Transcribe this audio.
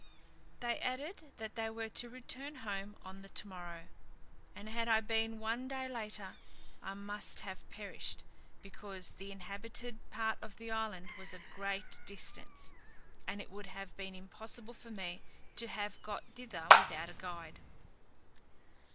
They added, that they were to return home on the morrow, and had I been one day later, I must have perished, because the inhabited part of the island was at a great distance, and it would have been impossible for me to have got thither without a guide.